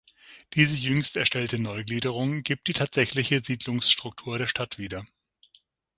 Diese jüngst erstellte Neugliederung gibt die tatsächliche Siedlungsstruktur der Stadt wieder.